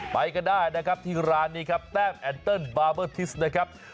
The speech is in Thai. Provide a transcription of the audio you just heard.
ไปกันได้นะครับที่ร้านนี้ครับแต้มแอนเติ้ลบาร์เบอร์ทิสนะครับ